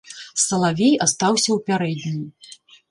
Салавей астаўся ў пярэдняй.